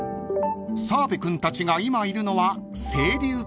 ［澤部君たちが今いるのは］